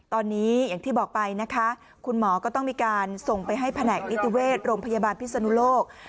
ตอนนี้อย่างที่บอกไปนะคะคุณหมอก็ต้องมีการส่งไปให้แผนกนิติเวชโรงพยาบาลพิศนุโลก